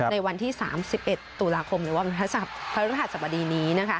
ในวันที่๓๑ตุลาคมหรือว่าพระฤหัสบดีนี้